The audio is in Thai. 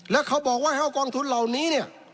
และเขาบอกกองทุนเหล่านี้